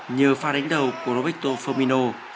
nhờ pha đánh đầu của roberto firmino